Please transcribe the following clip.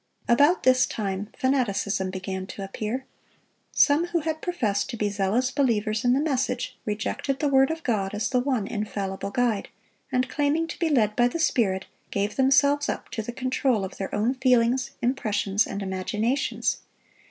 About this time, fanaticism began to appear. Some who had professed to be zealous believers in the message, rejected the word of God as the one infallible guide, and claiming to be led by the Spirit, gave themselves up to the control of their own feelings, impressions, and imaginations.